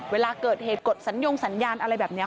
เวลาเกิดเหตุกดสัญญงสัญญาณอะไรแบบนี้